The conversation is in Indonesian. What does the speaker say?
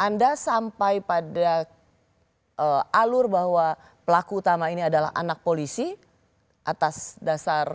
anda sampai pada alur bahwa pelaku utama ini adalah anak polisi atas dasar